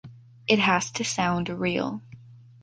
It has to sound real.